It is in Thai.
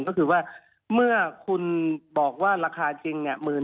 ก็คือว่าเมื่อคุณบอกว่าราคาจริงเนี่ย